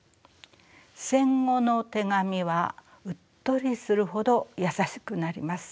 戦後の手紙はうっとりするほど優しくなります。